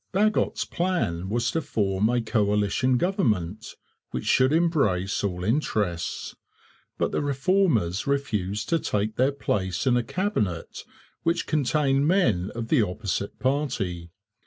Bagot's plan was to form a coalition government, which should embrace all interests; but the Reformers refused to take their place in a Cabinet which contained men of the opposite party.